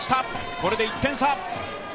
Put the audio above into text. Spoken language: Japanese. これで１点差！